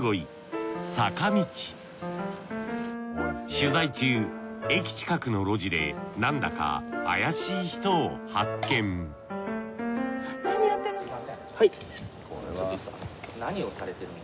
取材中駅近くの路地でなんだか怪しい人を発見すみません。